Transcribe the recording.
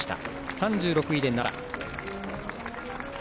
３６位で、奈良。